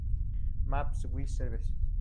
Maps Web Services.